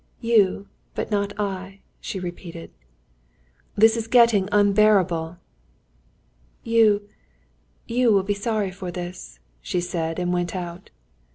"You, but not I," she repeated. "This is getting unbearable!" "You ... you will be sorry for this," she said, and went out.